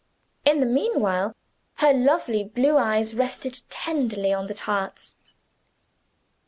In the meanwhile, her lovely blue eyes rested tenderly on the tarts.